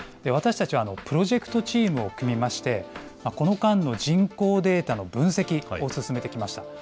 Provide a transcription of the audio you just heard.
私たちはプロジェクトチームを組みまして、この間の人口データの分析を進めてきました。